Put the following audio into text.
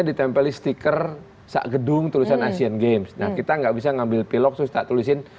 ditempeli stiker segedung tulisan asian games dan kita nggak bisa ngambil pilok susah tulisin